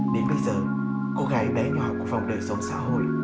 đến bây giờ cô gái bé nhỏ của phòng đời sống xã hội